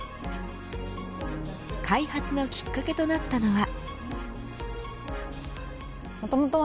開発のきっかけとなったのは。